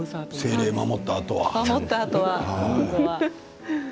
精霊を守ったあとには。